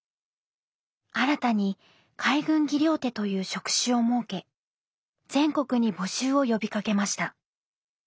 新たに海軍技療手という職種を設け全国に募集を呼びかけました。